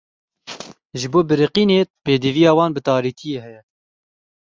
Ji bo biriqînê pêdiviya wan bi tarîtiyê heye.